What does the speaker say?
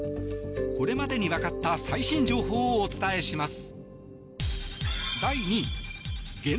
これまでに分かった最新情報をお伝えします。